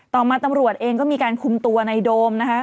ต่อมาตำรวจเองก็มีการคุมตัวในโดมนะคะ